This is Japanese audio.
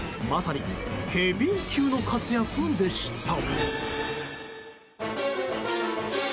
まさにヘビー級の活躍でした。